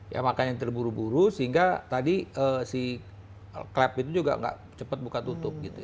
ya makanya terburu buru sehingga tadi si klep itu juga nggak cepat buka tutup gitu